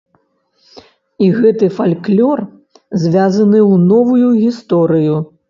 І гэты фальклор звязаны ў новую гісторыю.